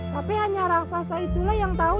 tapi hanya raksasa itulah yang tahu